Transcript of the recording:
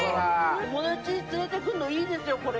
友達連れてくんのいいですよ、これ。